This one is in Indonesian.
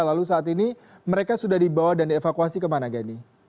lalu saat ini mereka sudah dibawa dan dievakuasi kemana gani